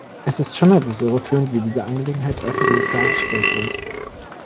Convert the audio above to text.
Es ist schon etwas irreführend, wie diese Angelegenheit öffentlich dargestellt wird.